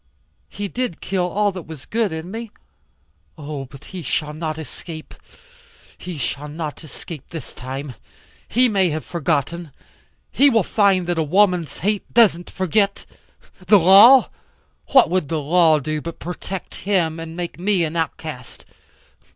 He did kill all that was good in me. Oh, but he shall not escape. He shall not escape this time. He may have forgotten. He will find that a woman's hate doesn't forget. The law? What would the law do but protect him and make me an outcast?